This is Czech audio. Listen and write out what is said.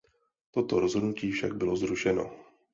Toto rozhodnutí však bylo zrušeno.